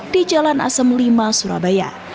di jalan asem lima surabaya